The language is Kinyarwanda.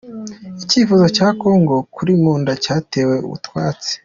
Icyifuzo cya Congo kuri Nkunda cyatewe utwatsi